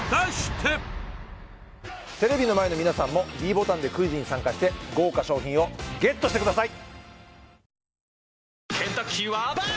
テレビの前の皆さんもｄボタンでクイズに参加して豪華賞品をＧＥＴしてください